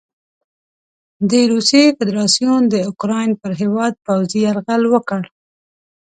د روسیې فدراسیون د اوکراین پر هیواد پوځي یرغل وکړ.